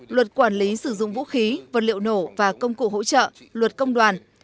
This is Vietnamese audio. luật quản lý sử dụng vũ khí vật liệu nổ và công cụ hỗ trợ luật công đoàn